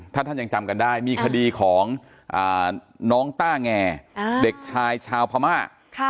ถ้าท่านยังจำกันได้มีคดีของน้องต้าแงเด็กชายชาวพม่า